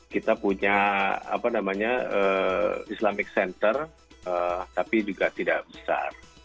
kita punya islamic center tapi juga tidak besar